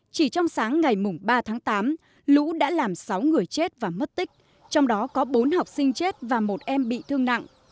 chỉ trong sáng ngày ba tháng tám lũ đã làm sáu người chết và mất tích trong đó có bốn học sinh chết và một em bị thương nặng